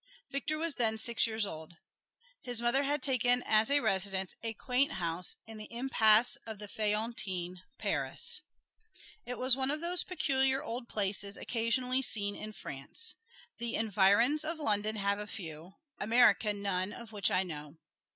Victor was then six years old. His mother had taken as a residence a quaint house in the Impasse of the Feullantines, Paris. It was one of those peculiar old places occasionally seen in France. The environs of London have a few; America none of which I know.